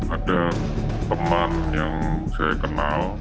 ada teman yang saya kenal